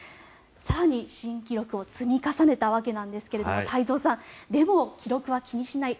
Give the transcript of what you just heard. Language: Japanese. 更に新記録を積み重ねたわけなんですが太蔵さん、でも記録は気にしない